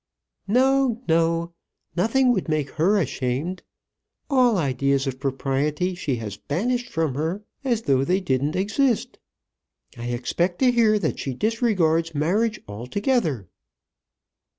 "No, no. Nothing would make her ashamed. All ideas of propriety she has banished from her, as though they didn't exist. I expect to hear that she disregards marriage altogether."